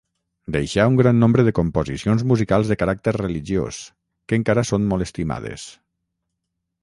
Deixà un gran nombre de composicions musicals de caràcter religiós, que encara són molt estimades.